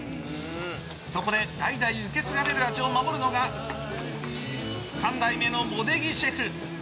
そこで代々受け継がれる味を守るのが、３代目の茂出木シェフ。